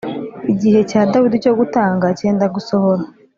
Igihe cya Dawidi cyo gutanga cyenda gusohora